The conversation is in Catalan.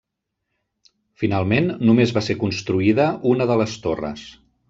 Finalment, només va ser construïda una de les torres.